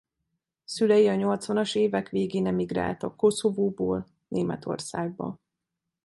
Szülei a nyolcvanas évek végén emigráltak Koszovóból Németországba.